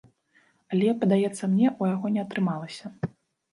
Але, падаецца мне, у яго не атрымалася.